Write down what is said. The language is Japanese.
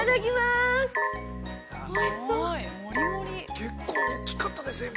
◆結構大きかったですよ、今。